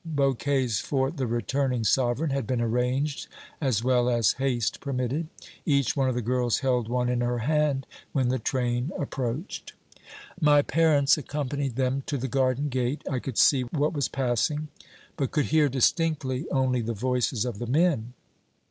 Bouquets for the returning sovereign had been arranged as well as haste permitted. Each one of the girls held one in her hand when the train approached. "My parents accompanied them to the garden gate. I could see what was passing, but could hear distinctly only the voices of the men.